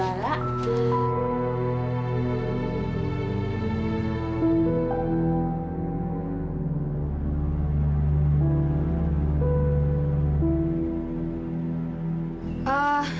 dato berleon nah cepet aika